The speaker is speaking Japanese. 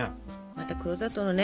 また黒砂糖のね